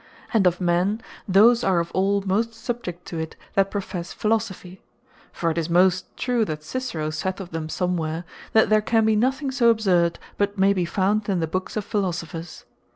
And of men, those are of all most subject to it, that professe Philosophy. For it is most true that Cicero sayth of them somewhere; that there can be nothing so absurd, but may be found in the books of Philosophers.